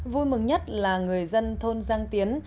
vui mừng nhất là người dân thôn giang tiến